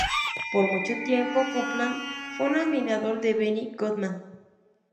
Por mucho tiempo Copland fue un admirador de Benny Goodman.